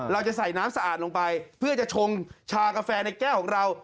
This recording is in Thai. เราจะใส่น้ำสะอาดลงไปเพื่อจะชงชากาแฟในแก้วของเรา